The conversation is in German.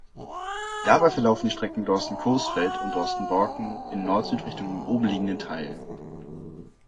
Dabei verlaufen die Strecken Dorsten–Coesfeld und Dorsten–Borken in Nord-Süd-Richtung im oben liegenden Teil.